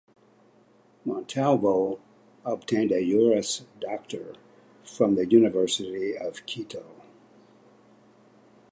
Montalvo obtained a Juris Doctor from the University of Quito.